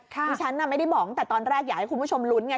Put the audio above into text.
ที่ฉันไม่ได้บอกตั้งแต่ตอนแรกอยากให้คุณผู้ชมลุ้นไง